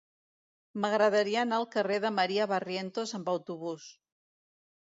M'agradaria anar al carrer de Maria Barrientos amb autobús.